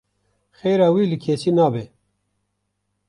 Xêra wî li kesî nabe.